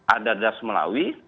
ada das melawi